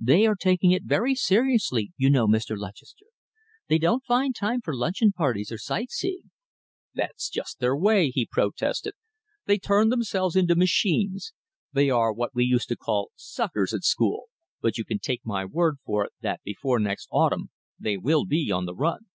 They are taking it very seriously, you know, Mr. Lutchester. They don't find time for luncheon parties or sight seeing." "That's just their way," he protested. "They turn themselves into machines. They are what we used to call suckers at school, but you can take my word for it that before next autumn they will be on the run."